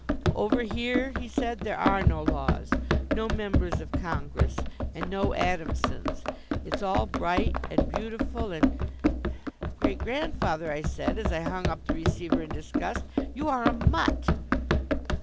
"Over here," he said, "there are no laws, no members of Congress and no Adamsons; it's all bright and beautiful and " "Great grandfather," I said, as I hung up the receiver in disgust, "you are a Mutt!"